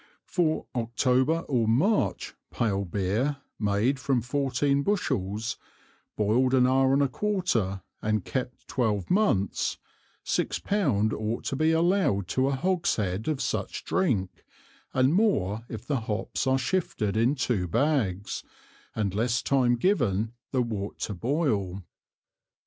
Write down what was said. For October or March, pale Beer made from fourteen Bushels, boiled an Hour and a quarter, and kept Twelve Months, six Pound ought to be allowed to a Hogshead of such Drink, and more if the Hops are shifted in two Bags, and less time given the Wort to boil.